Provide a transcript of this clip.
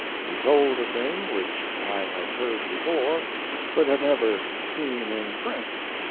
He told a thing which I had heard before but had never seen in print.